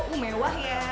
oh mewah ya